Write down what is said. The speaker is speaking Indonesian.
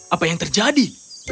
apa yang terjadi